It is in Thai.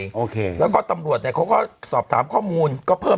แล้วก็ตำรวจเนี่ยเขาก็สอบถามข้อมูล